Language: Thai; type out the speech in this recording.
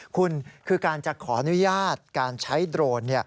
คุณคือการจะขออนุญาตการใช้โดรน